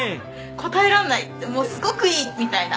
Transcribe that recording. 答えられない！ってもうすごくいい！みたいな。